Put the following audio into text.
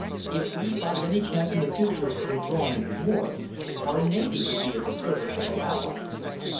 If we, by any chance in the future, were drawn into war, our navy would be at the service of our allies.